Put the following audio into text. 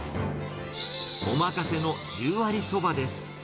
お任せの十割そばです。